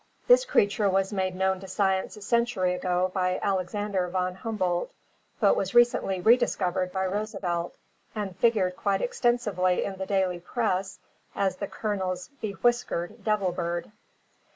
This creature was made known to science a century ago by Alexander von Humboldt, but was re cently re discovered by Roosevelt, and figured quite extensively in the daily press as the ColoneFs "bewhiskered devil bird."